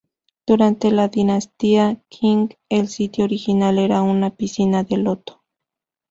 Durante la dinastía Qing, el sitio original era una piscina de loto.